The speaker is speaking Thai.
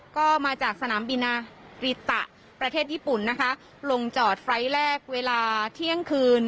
ก็มาจากสนามบินตะประเทศญี่ปุ่นนะคะลงจอดไฟล์ทแรกเวลาเที่ยงคืน